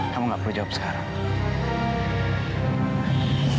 kamu gak perlu jawab sekarang